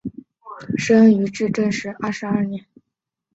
生于至正二十二年。